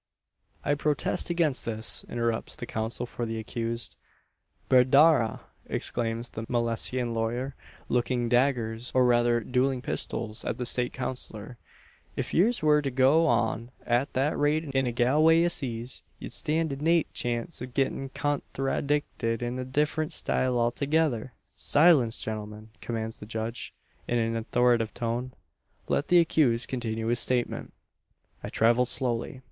"I protest against this!" interrupts the counsel for the accused. "Bedarrah!" exclaims the Milesian lawyer, looking daggers, or rather duelling pistols, at the State counsellor; "if yez were to go on at that rate in a Galway assize, ye'd stand a nate chance of gettin' conthradicted in a different style altogether!" "Silence, gentlemen!" commands the judge, in an authoritative tone. "Let the accused continue his statement." "I travelled slowly.